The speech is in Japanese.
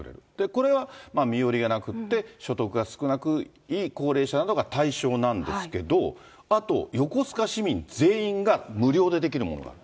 これは身寄りがなくって、所得が少ない高齢者が対象なんですけれども、あと横須賀市民全員が無料でできるものがある。